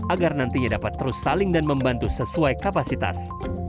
agar nantinya dapat terus saling dan membantu sesuai kapasitas